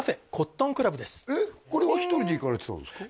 これは１人で行かれてたんですか？